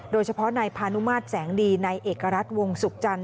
โดยเฉพาะในพาณุมาตรแสงดีในเอกรัฐวงศุกร์จันทร์